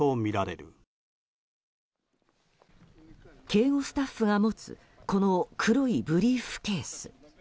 警護スタッフが持つこの黒いブリーフケース。